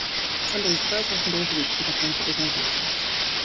Sunday is the first working day of the week for governmental organisations.